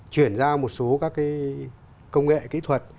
chuyển ra một số các công nghệ kỹ thuật